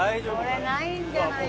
これないんじゃないか。